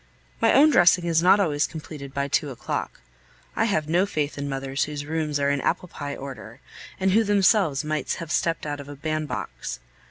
My own dressing is not always completed by two o'clock. I have no faith in mothers whose rooms are in apple pie order, and who themselves might have stepped out of a bandbox.